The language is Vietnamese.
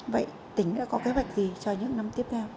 vậy tỉnh đã có kế hoạch gì cho những năm tiếp theo